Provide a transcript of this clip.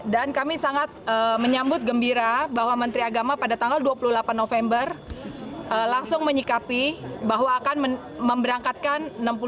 dan kami sangat menyambut gembira bahwa menteri agama pada tanggal dua puluh delapan november langsung menyikapi bahwa akan memberangkatkan